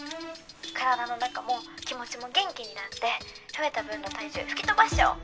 ☎体の中も気持ちも元気になって☎食べた分の体重吹き飛ばしちゃおう